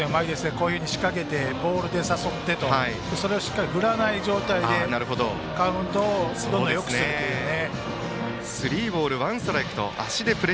こういうふうに仕掛けてボールで誘ってそれをしっかり振らない状態でカウントをどんどんよくするというね。